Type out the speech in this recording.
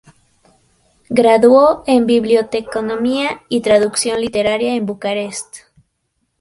Graduó en biblioteconomía y traducción literaria en Bucarest.